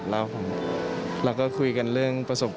แล้วคุยกันเรื่องประสบ